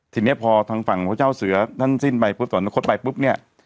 ทีนี้พอทางฝั่งพระเจ้าเสือท่านสิ้นไปพุทธสวรรคตไปปุ๊บเนี่ย